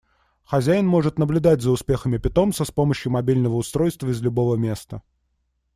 Хозяин может наблюдать за успехами питомца с помощью мобильного устройства из любого места.